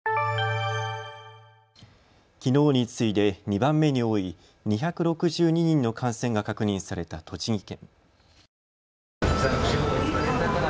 きのうに次いで２番目に多い２６２人の感染が確認された栃木県。